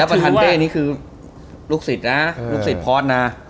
ประธานเป้นี่คือลูกศิษย์นะลูกศิษย์พอร์ตนะ